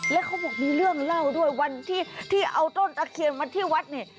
แล้วเขาบอกมีเรื่องเล่าด้วยวันที่เอาต้นตะเคียนมาที่วัดเนี่ย